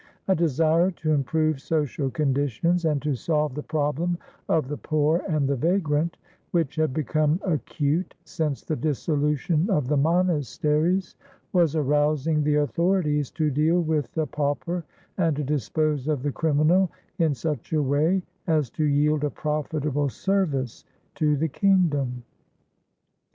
A desire to improve social conditions and to solve the problem of the poor and the vagrant, which had become acute since the dissolution of the monasteries, was arousing the authorities to deal with the pauper and to dispose of the criminal in such a way as to yield a profitable service to the kingdom.